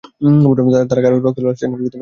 তারা কারো রক্তাক্ত লাশ টেনে-হিচড়ে বের করছিল।